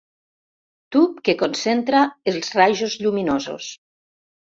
Tub que concentra els rajos lluminosos.